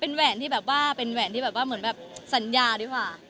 เป็นแหวนที่แบบว่าเป็นแหวนที่แบบว่าเหมือนแบบสัญญาดีกว่า